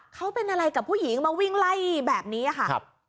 เขาเป็นอะไรกับผู้หญิงมาวิ่งไล่แบบนี้ค่ะ